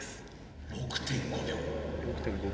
６．５秒。